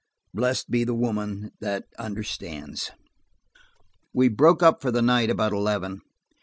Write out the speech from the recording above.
Blessed be the woman that understands! We broke up for the night about eleven.